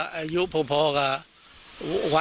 ฐานพระพุทธรูปทองคำ